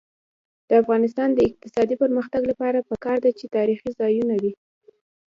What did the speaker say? د افغانستان د اقتصادي پرمختګ لپاره پکار ده چې تاریخي ځایونه وي.